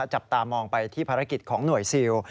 จับตามองไปที่ภารกิจของหน่วยซิล